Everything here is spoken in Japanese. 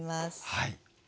はい。